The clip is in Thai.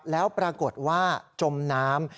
แล้วปรากฏว่าจมน้ำ